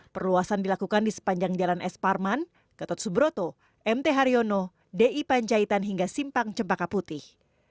perluasan dilakukan di sepanjang jalan s parman ketot subroto mt haryono di panjaitan hingga simpang cempaka putih